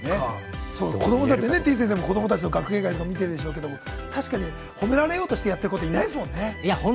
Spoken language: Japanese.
てぃ先生、子供たちの学芸会を見てるでしょうけれど、確かに褒められようとしてやってる子いないですもんね。